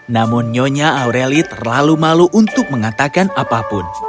namun nyonya aureli terlalu malu untuk mengatakan apapun